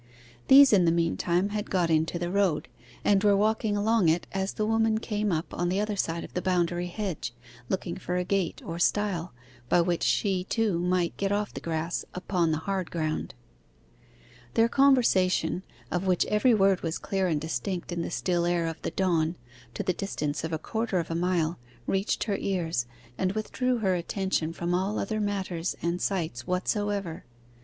These in the meantime had got into the road, and were walking along it as the woman came up on the other side of the boundary hedge, looking for a gate or stile, by which she, too, might get off the grass upon the hard ground. Their conversation, of which every word was clear and distinct, in the still air of the dawn, to the distance of a quarter of a mile, reached her ears, and withdrew her attention from all other matters and sights whatsoever.